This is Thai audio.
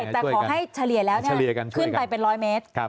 แต่ขอให้เฉลี่ยแล้วขึ้นไปเป็น๑๐๐เมตร